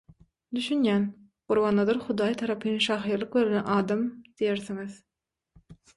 Düşünýän «Gurbannazar Hudaý tarapyn şahyrlyk berlen adam» diýersiňiz.